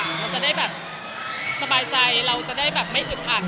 เขาจะได้แบบสบายใจเราจะได้แบบไม่อึดอัด